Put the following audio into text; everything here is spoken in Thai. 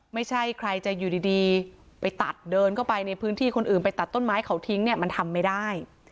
ไม่ใช่ใครจะอยู่ดีไปตัดเดินเข้าไปในพื้นที่คนอื่นไปตัดต้นไม้เขาทิ้งเนี่ยมันทำไม่ได้